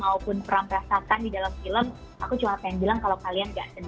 aku cuma pengen bilang kalau kalian gak sendiri